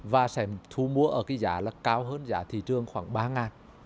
và sẽ thu mua ở cái giá là cao hơn giá thị trường khoảng ba